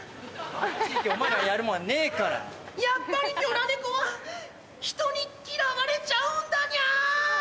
あっち行けお前らにやるもんはねえから。ニャっぱりニョら猫は人に嫌われちゃうんだニャ。